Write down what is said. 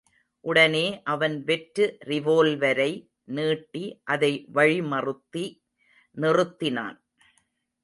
உடனே அவன் வெற்று ரிவோல்வரை நீட்டி அதை வழிமறுத்தி நிறுத்தினான்.